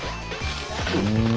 うん。